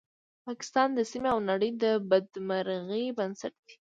پاکستان د سیمې او نړۍ د بدمرغۍ بنسټ دی